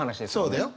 そうだよ。